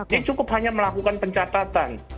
dia cukup hanya melakukan pencatatan